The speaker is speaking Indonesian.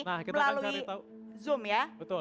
melalui zoom ya